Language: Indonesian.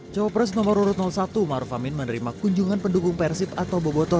cowok pres nomor urut satu maruf amin menerima kunjungan pendukung persib atau boboto